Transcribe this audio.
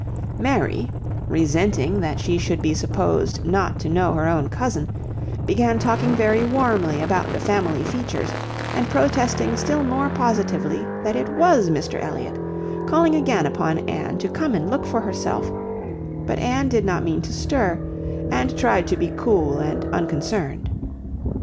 Mary, resenting that she should be supposed not to know her own cousin, began talking very warmly about the family features, and protesting still more positively that it was Mr Elliot, calling again upon Anne to come and look for herself, but Anne did not mean to stir, and tried to be cool and unconcerned.